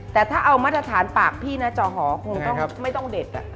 แต่ถ้าเอามาตรฐานปากพี่นะจอหอคงไม่ต้องเด็ด